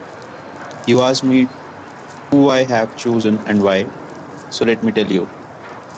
You asked me who I have chosen and why, so let me tell you.